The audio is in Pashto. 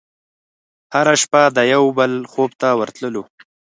هره شپه د یوه بل خوب ته ورتللو